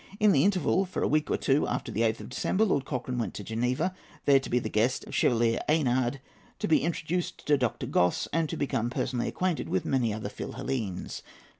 In the interval, for a week or two after the 8th of December, Lord Cochrane went to Geneva, there to be the guest of Chevalier Eynard, to be introduced to Dr. Gosse, and to become personally acquainted with many other Philhellenes.